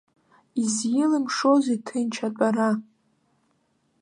Изилымшозеи ҭынч атәара?